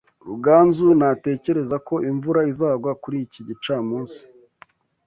Ruganzu ntatekereza ko imvura izagwa kuri iki gicamunsi.